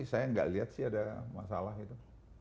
saya nggak lihat sih ada masalah gitu